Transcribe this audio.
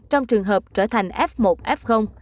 trong trường hợp trở thành f một f